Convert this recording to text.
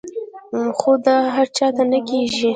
خو دا هر چاته نۀ کيږي -